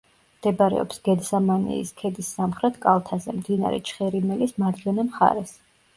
მდებარეობს გედსამანიის ქედის სამხრეთ კალთაზე, მდინარე ჩხერიმელის მარჯვენა მხარეს.